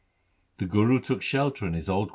The Guru took shelter in his old 1 Maru.